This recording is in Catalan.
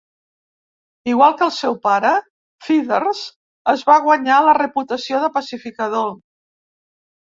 Igual que el seu pare, Feathers es va guanyar la reputació de pacificador.